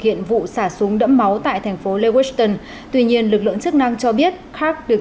hiện vụ xả súng đẫm máu tại thành phố lewiston tuy nhiên lực lượng chức năng cho biết khark được